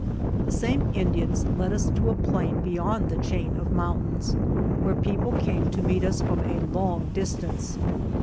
The same Indians led us to a plain be yond the chain of mountains, where people i45 THE JOURNEY OF came to meet us from a long distance.